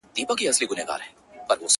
مرم د بې وخته تقاضاوو، په حجم کي د ژوند.